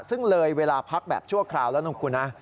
ซึ่งเลยเวลาพักแบบชั่วคราวแล้วนะคุณนะ